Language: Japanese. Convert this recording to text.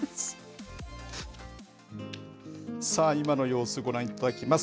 さあ、今の様子、ご覧いただきます。